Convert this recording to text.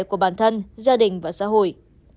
của bản thân gia đình và xã hội